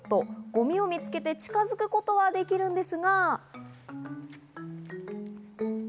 ゴミを見つけて近づくことはできるんですが。